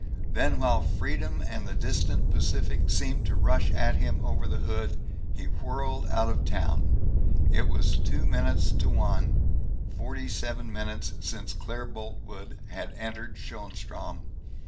Then, while freedom and the distant Pacific seemed to rush at him over the hood, he whirled out of town. It was two minutes to one forty seven minutes since Claire Boltwood had entered Schoenstrom.